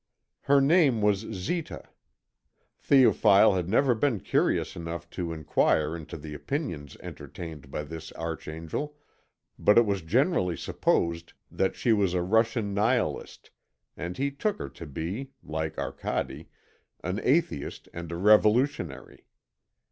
Her name was Zita. Théophile had never been curious enough to enquire into the opinions entertained by this archangel, but it was generally supposed that she was a Russian nihilist, and he took her to be, like Arcade, an atheist and a revolutionary.